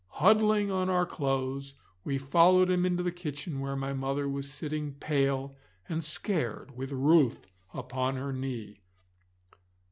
Huddling on our clothes we followed him into the kitchen, where my mother was sitting pale and scared with Ruth upon her knee.